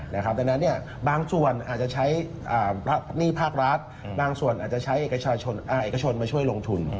ดังนั้นบางส่วนอาจจะใช้หนี้ภาครัฐบางส่วนอาจจะใช้เอกชนมาช่วยลงทุน